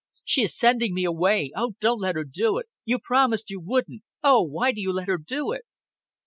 "She is sending me away. Oh, don't let her do it. You promised you wouldn't. Oh, why do you let her do it?"